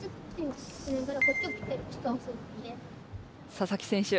佐々木選手。